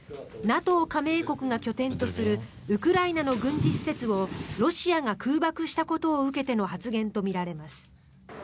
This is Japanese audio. ＮＡＴＯ加盟国が拠点とするウクライナの軍事施設をロシアが空爆したことを受けての発言とみられます。